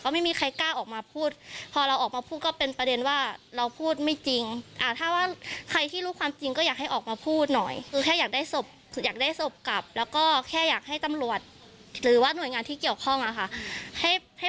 ไม่ได้หวังแบบหิวแสงหรืออะไร